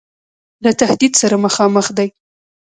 له تهدید سره مخامخ دی.